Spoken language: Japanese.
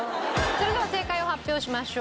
それでは正解を発表しましょう。